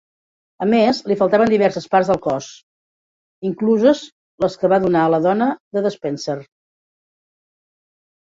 A més, li faltaven diverses parts del cos, incluses les que va donar a la dona de Despenser.